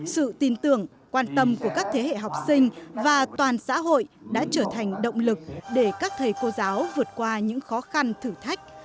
sự tin tưởng quan tâm của các thế hệ học sinh và toàn xã hội đã trở thành động lực để các thầy cô giáo vượt qua những khó khăn thử thách